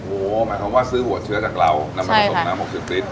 โอ้โหหมายความว่าซื้อหัวเชื้อจากเรานำมาผสมน้ำ๖๐ลิตร